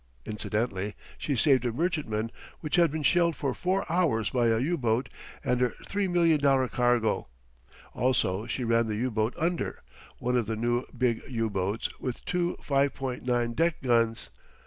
Incidentally, she saved a merchantman which had been shelled for four hours by a U boat and her $3,000,000 cargo; also she ran the U boat under one of the new big U boats with two 5.9 deck guns.